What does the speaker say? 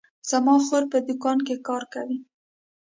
زما خور په دوکان کې کار کوي